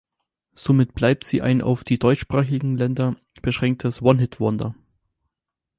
Somit bleibt sie ein auf die deutschsprachigen Länder beschränktes One-Hit-Wonder.